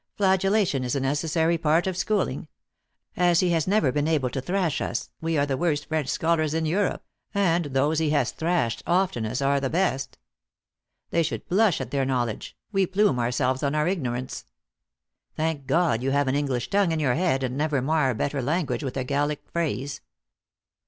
Flagellation is a necessary part of schooling. As he lias never been able to thrash us, we are the worst French scholars in Europe, and those he has thrashed oftenest, are the best. They should blush at their knowledge ; we plume our selves on our ignorance. Thank God you have an English tongue in your head, and never mar a better language with a Gallic phrase.